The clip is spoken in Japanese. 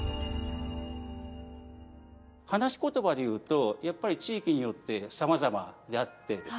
話し言葉でいうとやっぱり地域によってさまざまあってですね